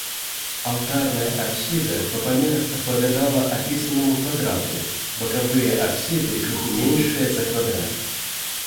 Алтарная апсіда па памерах адпавядала апісанаму квадрату, бакавыя апсіды крыху меншыя за квадрат.